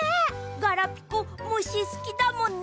ガラピコむしすきだもんね。